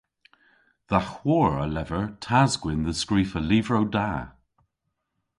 Dha hwor a lever tas-gwynn dhe skrifa lyvrow da.